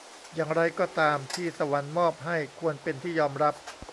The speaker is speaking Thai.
อะไรก็ตามที่สวรรค์มอบให้ควรเป็นที่ยอมรับ